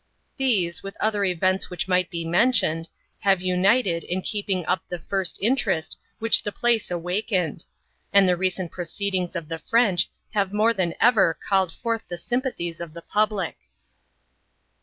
These, with other events which might be mentioned, have united in keeping up the first interest which the place awa* kened; and the recent proceedings of the French have more than ever called forth the sympathies of the public.